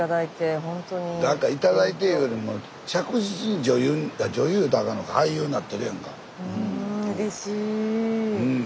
いただいていうよりも着実に女優あ女優言うたあかんのか俳優なってるやんか。